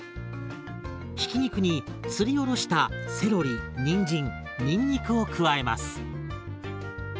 ひき肉にすりおろしたセロリにんじんにんにくを加えます。